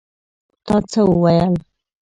تا څه وویل?